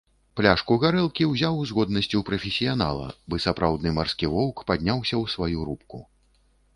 Пляшку гарэлкі ўзяў з годнасцю прафесіянала, бы сапраўдны марскі воўк, падняўся ў сваю рубку.